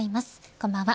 こんばんは。